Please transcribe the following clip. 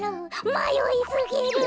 まよいすぎる。